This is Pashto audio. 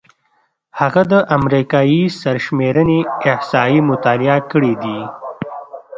هغه د امریکايي سرشمېرنې احصایې مطالعه کړې دي.